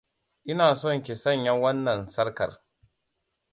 Ina son ki sanya wannan sarƙar.